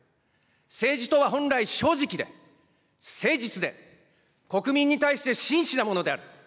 政治とは本来、正直で、誠実で、国民に対して真摯なものである。